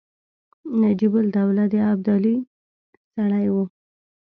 نجیب الدوله د ابدالي سړی وو.